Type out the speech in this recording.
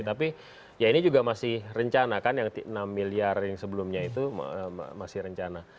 tapi ya ini juga masih rencana kan yang enam miliar yang sebelumnya itu masih rencana